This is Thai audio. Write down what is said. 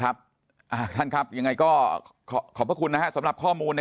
ครับใช่ครับครับยังไงก็ขอขอบพระคุณนะสำหรับข้อมูลนะ